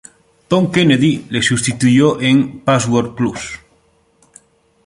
Tom Kennedy le sustituyó en "Password Plus".